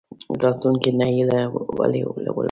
راتلونکي ته هیله ولې ولرو؟